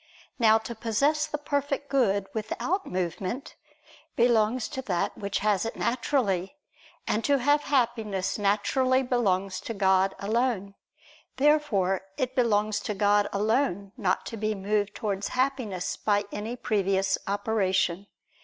Now to possess the perfect good without movement, belongs to that which has it naturally: and to have Happiness naturally belongs to God alone. Therefore it belongs to God alone not to be moved towards Happiness by any previous operation.